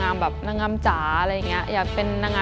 พลอยเชื่อว่าเราก็จะสามารถชนะเพื่อนที่เป็นผู้เข้าประกวดได้เหมือนกัน